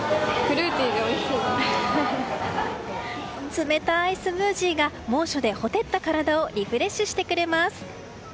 冷たいスムージーが猛暑でほてった体をリフレッシュしてくれます！